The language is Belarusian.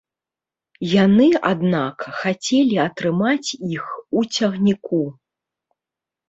Яны, аднак, хацелі атрымаць іх у цягніку.